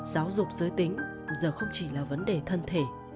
giáo dục giới tính giờ không chỉ là vấn đề thân thể